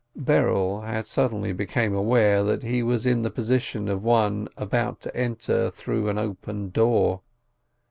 Berel had suddenly become aware that he was in the position of one about to go in through an open door.